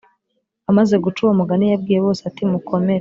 Amaze guca uwo mugani yabwiye bose ati mukomere